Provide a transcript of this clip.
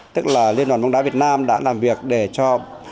tức là liên đoàn bóng đá việt nam đã làm việc để cho